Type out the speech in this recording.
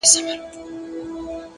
وخت د هر عمل اغېز ساتي!.